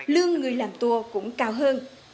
lương người làm tour cũng cao hơn